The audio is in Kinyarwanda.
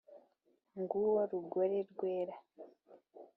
Nguwo rugore rwera,